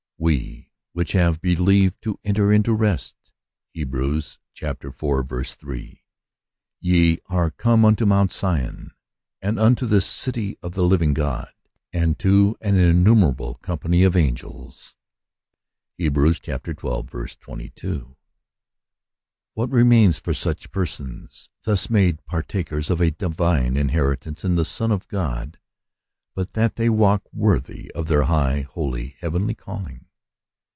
"We which have believed do enter into rest (Heb. iv. 3). "Ye are come unto mount Sion, and unto the city of the living God, and to an innumerable company of angels" (Heb. xii. 22). What remains for such persons, thus made par takers of a divine inheritance in the Son of God, but that they walk worthy of their high, holy, heavenly calling?